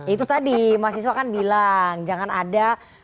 itu tadi mahasiswa kan bilang jangan ada